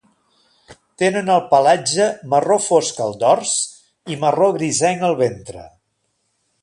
Tenen el pelatge marró fosc al dors i marró grisenc al ventre.